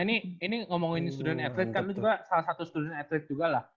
nah ini ngomongin student athlete kan lu juga salah satu student athlete juga lah